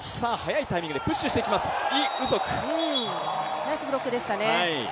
ナイスブロックでしたね。